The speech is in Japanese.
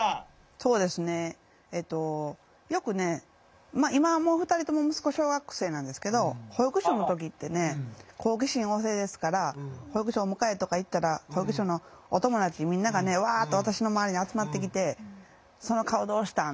そうですねよくね今はもう２人とも息子小学生なんですけど保育所の時ってね好奇心旺盛ですから保育所お迎えとか行ったら保育所のお友達みんながねわあっと私の周りに集まってきて「その顔どうしたん？」